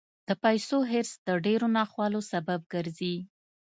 د پیسو حرص د ډېرو ناخوالو سبب ګرځي.